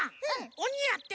おにやって！